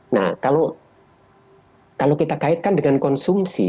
nah kalau kita kaitkan dengan konsumsi